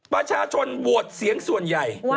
ประชาชนโหวตเสียงส่วนใหญ่